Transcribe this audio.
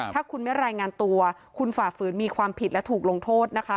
ถ้าคุณไม่รายงานตัวคุณฝ่าฝืนมีความผิดและถูกลงโทษนะคะ